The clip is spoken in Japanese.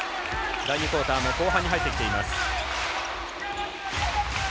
第２クオーターも後半に入ってきています。